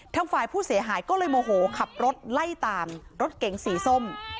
ทางฝ่ายผู้เสียหายก็เลยโมโหขับรถไล่ตามรถเก๋งสีส้ม